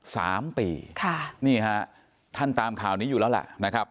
สามปีค่ะนี่ฮะท่านตามข่าวนี้อยู่แล้วล่ะนะครับ